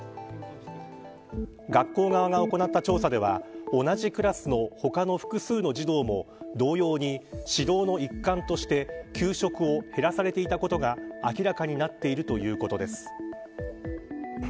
学校側が行った調査では同じクラスの他の複数の児童も同様に指導の一環として給食を減らされていたことが明らかになっているということです。